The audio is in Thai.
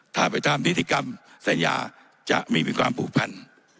ถ้าไปตามนิติกรรมสัญญาจะมีความผูกพัน